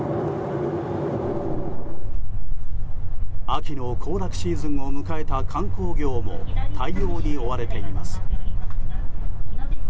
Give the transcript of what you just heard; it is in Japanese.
秋の行楽シーズンを迎えた観光業も対応に追われています。